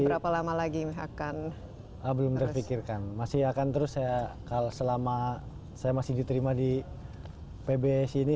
berapa lama lagi akan belum terpikirkan masih akan terus saya kalau selama saya masih diterima di pbs ini